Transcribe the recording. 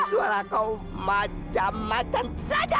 suara kau macem macem saja